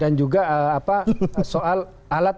dan juga soal alat